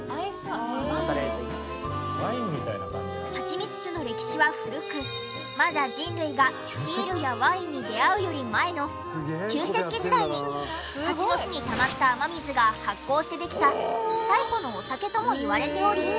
蜂蜜酒の歴史は古くまだ人類がビールやワインに出会うより前の旧石器時代にハチの巣にたまった雨水が発酵してできた最古のお酒ともいわれており。